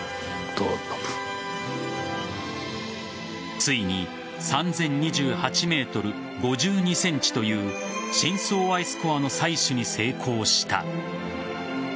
ついに３０２８ｍ５２ｃｍという深層アイスコアの採取に成功した。